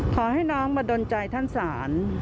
ขอให้น้องมาดนใจท่านศาล